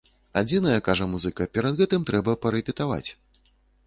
Адзінае, кажа музыка, перад гэтым трэба парэпетаваць.